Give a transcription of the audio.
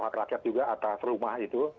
hak rakyat juga atas rumah itu